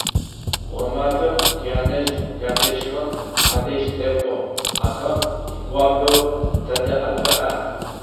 Гъэмэфэм тянэжъ-тятэжъхэм адэжь тэкӀо, ахэм тигуапэу тадэӀэпыӀэ.